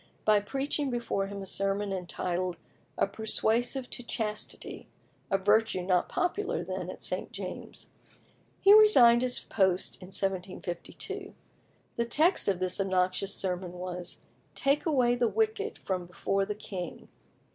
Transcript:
by preaching before him a sermon entitled "A Persuasive to Chastity" a virtue not popular then at St. James's. He resigned his post in 1752. The text of this obnoxious sermon was, "Take away the wicked from before the king."